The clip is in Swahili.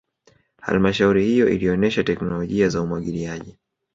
halmashauri hiyo ilionesha teknolojia za umwagiliaji